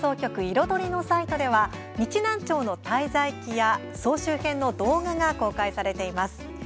「いろドリ」のサイトでは日南町の滞在記や総集編の動画が公開されています。